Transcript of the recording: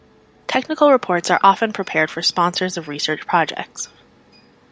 Technical reports are often prepared for sponsors of research projects.